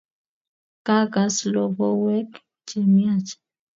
kakas logoywek chemiach